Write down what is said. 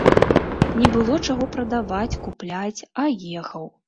Не было чаго прадаваць, купляць, а ехаў.